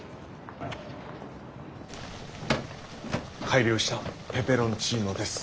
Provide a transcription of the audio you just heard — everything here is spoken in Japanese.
改良したペペロンチーノです。